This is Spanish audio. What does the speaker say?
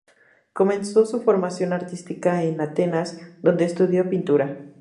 Comenzó su formación artística en Atenas, donde estudió pintura.